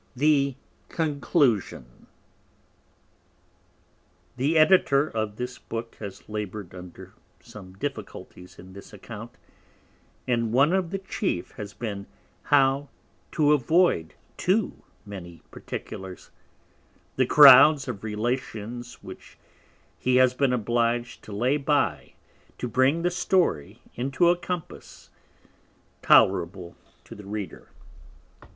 The Conclusion The Editor of this Book has labour'd under some Difficulties in this Account: and one of the chief has been, how to avoid too many Particulars, the Crowds of Relations which he has been oblig'd to lay by to bring the Story into a Compass tolerable to the Reader.